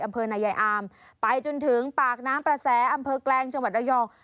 อำเภอนายายอามไปจนถึงปากน้ำประแสอำเภอแกลงจังหวัดระยอง